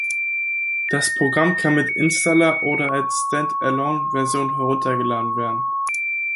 Das Programm kann mit Installer oder als Standalone-Version heruntergeladen werden.